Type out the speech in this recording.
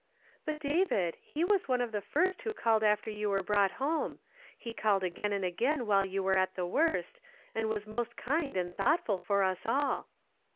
*' But David, he was one of the lii st who called after you were brought home ; he called again and again while you were at the woi st, and was most kind and thoughtful for us all."